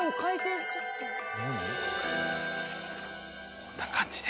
こんな感じで。